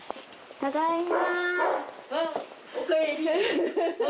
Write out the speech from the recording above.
ただいま。